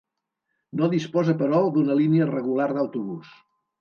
No disposa però d'una línia regular d'autobús.